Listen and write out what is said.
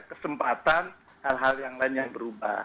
kesempatan hal hal yang lain yang berubah